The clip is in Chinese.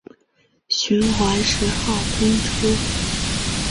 循环十号公车